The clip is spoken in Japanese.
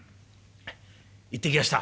行ってきやした」。